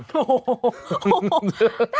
โอ้โฮโอ้โฮ